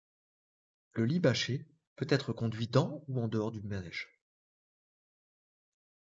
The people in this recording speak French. Le lit bâché peut être conduit dans ou en dehors du manège.